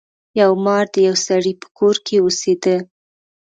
یو مار د یو سړي په کور کې اوسیده.